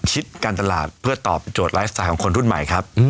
คิดการตลาดเพื่อตอบโจทย์ไลฟ์สไตล์ของคนรุ่นใหม่ครับ